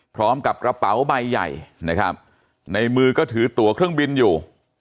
พร้อมกับกระเป๋าใบใหญ่นะครับในมือก็ถือตัวเครื่องบินอยู่